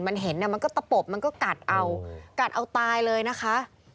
มันเห็นมันก็ตะปบมันก็กัดเอากัดเอาตายเลยนะคะ